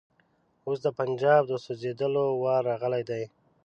اوس د پنجاب د سوځېدلو وار راغلی دی.